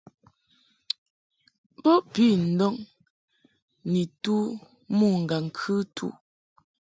Bo pi ndɔŋ ni tu mo ŋgaŋ-kɨtu.